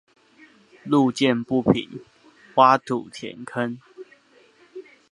路見不平，挖土填坑